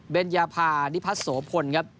เบญยาพาดิพัชโภลครับ